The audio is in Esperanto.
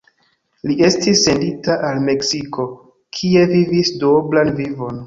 Li estis sendita al Meksiko, kie vivis duoblan vivon.